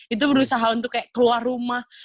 itu berusaha untuk kayak keluar rumah